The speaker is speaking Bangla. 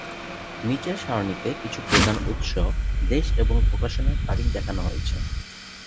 নীচের সারণীতে কিছু প্রধান উৎস, দেশ এবং প্রকাশনার তারিখ দেখানো হয়েছে।